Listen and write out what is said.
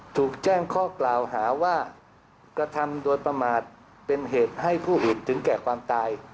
ถูกแจ้งข้อกล่าวหาว่ากระทำโดยประมาทเป็นเหตุให้ผู้อื่นถึงแก่ความตาย